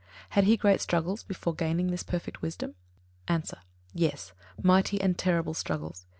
Had he great struggles before gaining this perfect wisdom? A. Yes, mighty and terrible struggles.